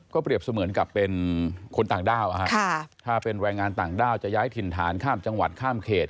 เปรียบเสมือนกับเป็นคนต่างด้าวถ้าเป็นแรงงานต่างด้าวจะย้ายถิ่นฐานข้ามจังหวัดข้ามเขต